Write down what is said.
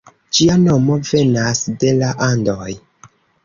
Ĝia nomo venas de la Andoj.